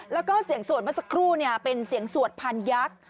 แล้วก็เสียงสวดเมื่อสักครู่เป็นเสียงสวดพันยักษ์